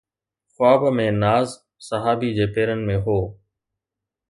خواب ۾ ناز صحابي جي پيرن ۾ هو